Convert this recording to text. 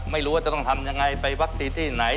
ไม่รู้ว่าจะต้องทำยังไงไปวัคซีนที่ไหน